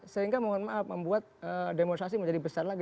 sehingga membuat demonstrasi menjadi besar lagi